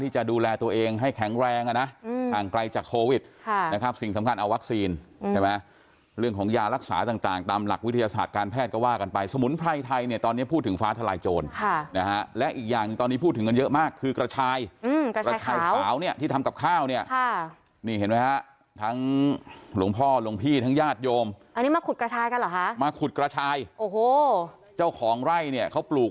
เจ้าของไล่เนี่ยเขาปลูกไว้๕ไล่